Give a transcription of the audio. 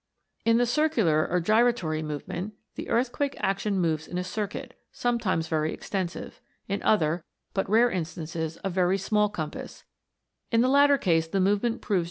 In the circular or gyratory movement, the earth quake action moves in a circuit, sometimes very extensive, in other, but rare instances, of very small compass ; in the latter case, the movement proves PLUTO'S KINGDOM.